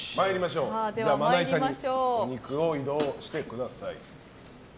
では、まな板にお肉を移動してください。